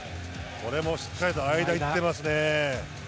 これもしっかりと間、行っていますね。